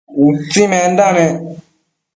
utsimenda nec